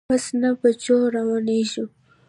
بس نهه بجو روانیږي